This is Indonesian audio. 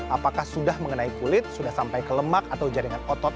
apakah sudah mengenai kulit sudah sampai ke lemak atau jaringan otot